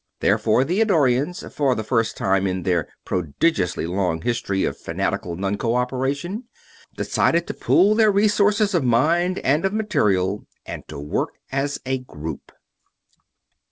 Therefore the Eddorians, for the first time in their prodigiously long history of fanatical non cooperation, decided to pool their resources of mind and of material and to work as a group.